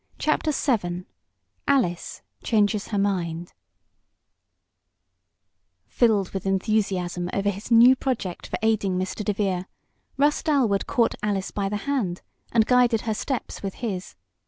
CHAPTER VII ALICE CHANGES HER MIND Filled with enthusiasm over his new project for aiding Mr. DeVere, Russ Dalwood caught Alice by the hand, and guided her steps with his.